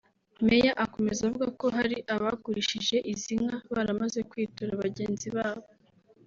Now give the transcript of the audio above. Meya akomeza avuga ko hari abagurishije izi nka baramaze kwitura bagenzi babo